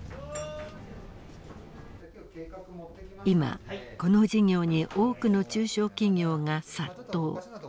今この事業に多くの中小企業が殺到。